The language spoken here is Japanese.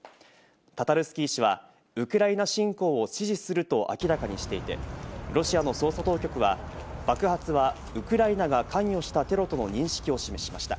タタルスキー氏はウクライナ侵攻を支持すると明らかにしていて、ロシアの捜査当局は爆発はウクライナが関与したテロとの認識を示しました。